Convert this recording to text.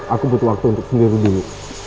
aku butuh waktu untuk sendiri dulu